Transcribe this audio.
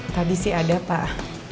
tadi sih ada pak